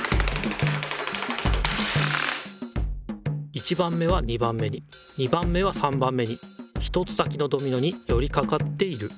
１番目は２番目に２番目は３番目に１つ先のドミノによりかかっている。